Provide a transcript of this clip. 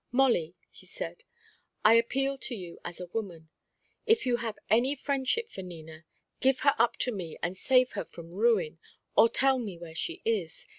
"Molly," he said, "I appeal to you as a woman. If you have any friendship for Nina, give her up to me and save her from ruin, or tell me where she is.